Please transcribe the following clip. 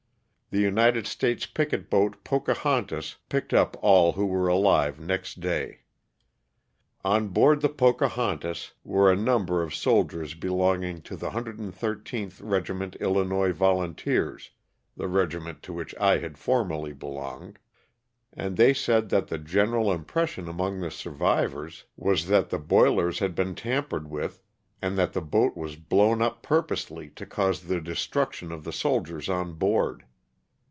The United States picket boat *^ Pocahontas " picked up all who were alive next day. On board the " Pocahontas" were a number of soldiers belonging to the 113th Regiment Illinois Volunteers (the regiment to which I had formerly belonged), and they said that the general impression among the survivors was that the boilers had 62 LOSS OF THE SULTAKA. been tampered with, and that the boat was blown up purposely to cause the destruction of the soldiers on board.